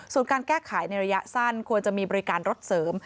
ส่วนการแก้ไขในระยะสั้นควรจะมีบริการรถเสริม